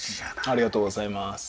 ありがとうございます。